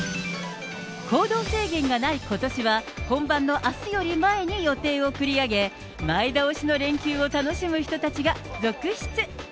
行動制限がないことしは、本番のあすより前に予定を繰り上げ、前倒しの連休を楽しむ人たちが続出。